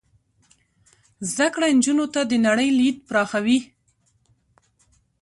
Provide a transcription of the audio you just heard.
زده کړه نجونو ته د نړۍ لید پراخوي.